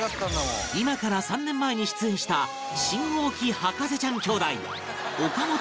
今から３年前に出演した信号機博士ちゃん兄弟岡本莉